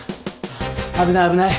危ない危ない！